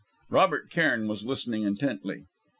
Robert Cairn was listening intently.